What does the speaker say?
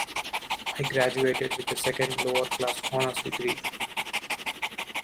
I graduated with a second lower class honours degree.